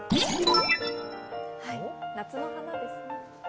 夏の花ですね。